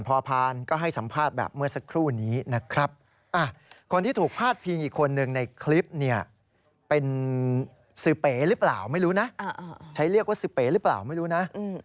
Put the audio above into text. เป็นสึเป๋หรือเปล่าไม่รู้นะใช้เรียกว่าสึเป๋หรือเปล่าไม่รู้นะ